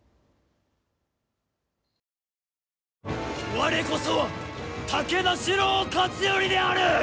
我こそは武田四郎勝頼である！